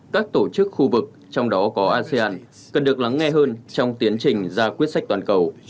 các tổ chức khu vực trong đó có asean cần được lắng nghe hơn trong tiến trình ra quyết sách toàn cầu